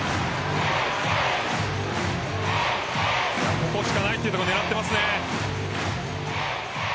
ここしかないという所狙っていますね。